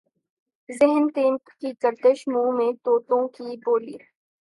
ذہن ٹیپ کی گردش منہ میں طوطوں کی بولی